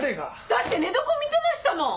だって寝床見てましたもん！